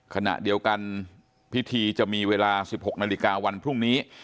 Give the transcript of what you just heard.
ขณะเดียวกันพิธีจะมีเวลา๑๖นาฬิกาวันพรุ่งนี้